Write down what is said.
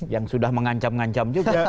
yang sudah mengancam ngancam juga